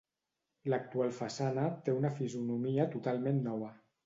L'actual façana té una fisonomia totalment nova.